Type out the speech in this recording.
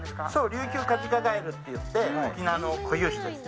リュウキュウカジカガエルっていって沖縄の固有種です。